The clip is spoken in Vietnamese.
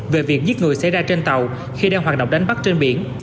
về việc giết người xảy ra trên tàu khi đang hoạt động đánh bắt trên biển